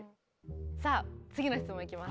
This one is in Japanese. さあ次の質問いきます。